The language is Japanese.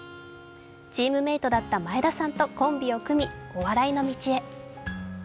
チームメートだった前田さんとコンビを組み、お笑いの道へ。